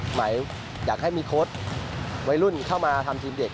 หมายอยากให้มีโค้ดวัยรุ่นเข้ามาทำทีมเด็ก